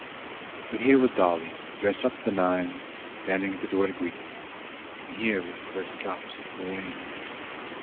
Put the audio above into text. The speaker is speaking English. But here was Dolly, dressed up to the nines, standing at the door to greet them, and here were the first drops of the rain.